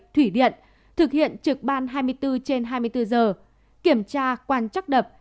nhận thực hiện trực ban hai mươi bốn trên hai mươi bốn giờ kiểm tra quan chắc đập